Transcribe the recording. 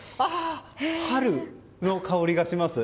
春の香りがします。